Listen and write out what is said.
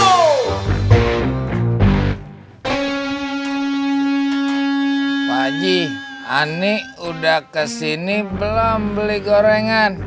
pak haji ani udah kesini belum beli gorengan